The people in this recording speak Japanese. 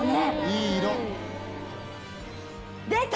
いい色。